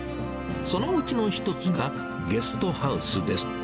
そのうちの一つが、ゲストハウスです。